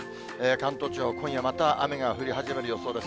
関東地方、今夜また雨が降り始める予想です。